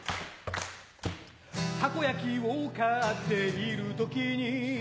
たこ焼きを買っている時に